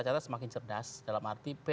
cara semakin cerdas dalam arti